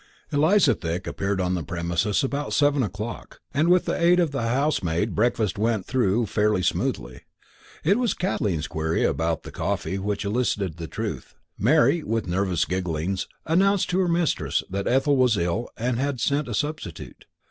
Eliza Thick appeared on the premises about seven o'clock, and with the aid of the housemaid breakfast went through fairly smoothly. It was Kathleen's query about the coffee that elicited the truth. Mary, with nervous gigglings, announced to her mistress that Ethel was ill and had sent a substitute.